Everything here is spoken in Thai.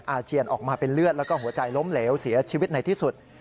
อาเจียนออกมาเป็นเลือดแล้วก็หัวใจล้มเหลวเสียชีวิตในที่สุด